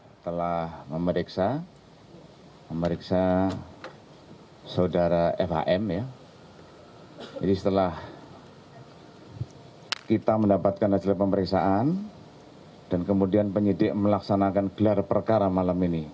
saya telah memeriksa memeriksa saudara fhm ya jadi setelah kita mendapatkan hasil pemeriksaan dan kemudian penyidik melaksanakan gelar perkara malam ini